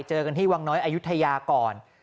เจอกันที่วังน้อยอายุทยาก่อน